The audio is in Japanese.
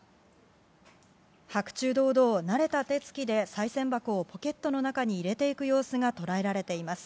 白昼堂々、慣れた手つきでさい銭をポケットの中に入れていく様子が捉えられています。